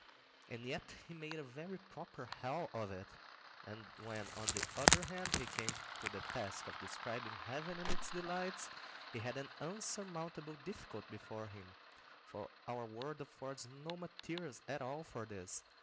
And yet he made a very proper hell of it. And when, on the other hand, he came to the task of describing heaven and its delights, he had an insurmountable difficulty before him, for our world affords no materials at all for this.